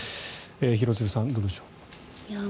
廣津留さん、どうでしょう。